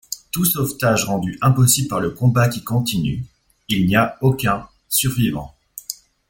Tout sauvetage rendu impossible par le combat qui continue, il n'y a aucun survivant.